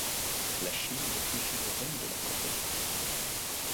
La Chine n'est plus suzeraine de la Corée.